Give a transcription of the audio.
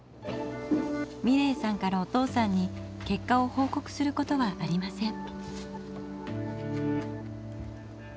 美礼さんからお父さんに結果を報告することはありません。